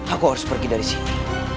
aku harus pergi dari sini